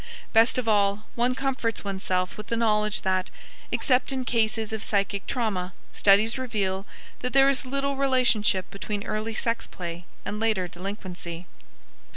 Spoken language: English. Best of all, one comforts oneself with the knowledge that, except in cases of psychic trauma, studies reveal that there is little relationship between early sex play and later delinquency.